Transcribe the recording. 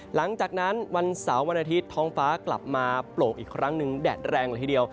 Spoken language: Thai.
หลังจากนั้นวันเสาร์วันอาทิตย์ท้องฟ้ากลับมาโปร่งอีกครั้งหนึ่งแดดแรงเลยทีเดียว